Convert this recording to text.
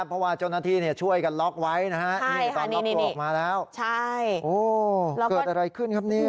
เพราะว่าเจ้าหน้าที่เนี่ยช่วยกันล็อกไว้นะฮะนี่ตอนล็อกตัวออกมาแล้วใช่โอ้แล้วเกิดอะไรขึ้นครับเนี่ย